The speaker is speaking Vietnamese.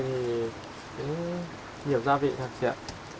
nhiều gia vị thật chị ạ